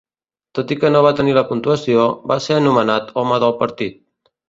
Tot i que no va tenir la puntuació, va ser nomenat home del partit.